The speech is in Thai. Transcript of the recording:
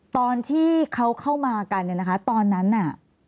ตอนที่เขาเข้ามากันเนี่ยนะคะตอนนั้นน่ะ